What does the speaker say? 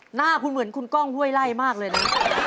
หน้าคุณเหมือนคุณก้องห้วยไล่มากเลยนะ